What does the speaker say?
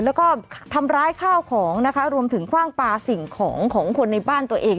แล้วก็ทำร้ายข้าวของนะคะรวมถึงคว่างปลาสิ่งของของคนในบ้านตัวเอง